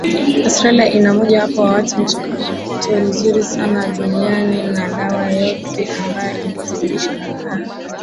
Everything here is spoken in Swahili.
Australia ina mmojawapo wa mchakato mzuri sana duniani na dawa yoyote ambayo ingesababisha athari